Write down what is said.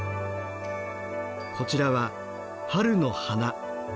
こちらは「春の花」。